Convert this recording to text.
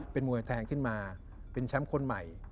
เป็นมวยแทงขึ้นมาเป็นแชมป์คนใหม่